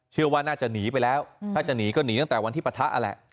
เชื่อว่าน่าจะหนีไปแล้วถ้าจะหนีก็หนีตั้งแต่วันที่ปะทะนั่นแหละ